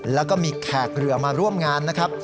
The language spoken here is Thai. แล้วก็มีแขกเรือมาร่วมงานนะครับ